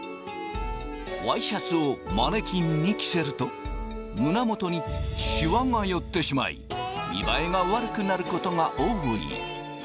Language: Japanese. ワイシャツをマネキンに着せると胸元にシワが寄ってしまい見栄えが悪くなることが多い。